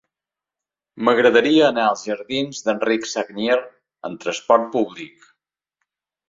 M'agradaria anar als jardins d'Enric Sagnier amb trasport públic.